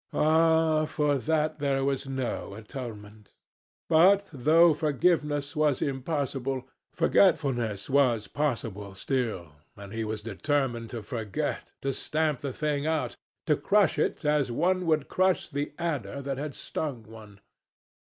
Ah! for that there was no atonement; but though forgiveness was impossible, forgetfulness was possible still, and he was determined to forget, to stamp the thing out, to crush it as one would crush the adder that had stung one.